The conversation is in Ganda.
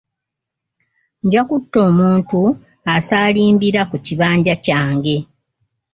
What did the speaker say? Nja kutta omuntu asaalimbira ku kibanja kyange.